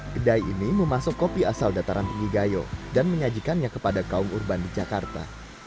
kedai ini memasuk kopi asal dataran tinggi gayo dan menyajikannya kepada kaum urban di jakarta